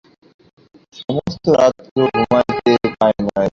সমস্ত রাত কেহ ঘুমাইতে পায় নাই।